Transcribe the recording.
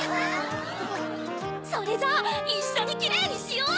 それじゃあいっしょにキレイにしよう！